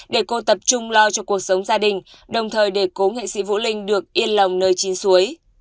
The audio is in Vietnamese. để cô tập trung lo cho cuộc sống gia đình đồng thời để cố nghệ sĩ vũ linh được yên lòng nơi trên suối